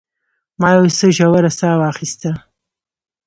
ما یو څه ژوره ساه واخیسته.